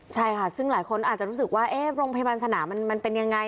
ใช่ค่ะซึ่งหลายคนอาจจะรู้สึกว่าโรงพยาบาลสนามมันเป็นยังไง